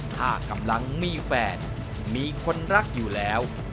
ถ้ากำลังมีแฟนมีคนรักอยู่แล้ว